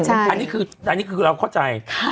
อันนี้คือเราเข้าใจ